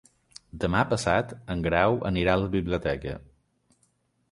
Demà passat en Grau anirà a la biblioteca.